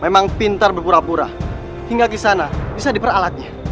memang pintar berpura pura hingga kisana bisa diperalatnya